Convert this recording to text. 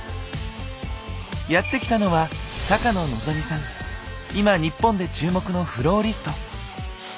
やって来たのは今日本で注目のフローリスト。